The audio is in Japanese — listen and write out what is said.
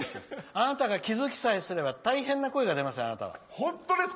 あなたが気付きさえすれば大変な声が出ますよ、あなたは。